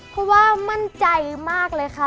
เพราะว่ามั่นใจมากเลยค่ะ